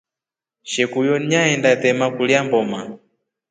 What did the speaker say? Shekuyo nyaenda tema kulya mboma.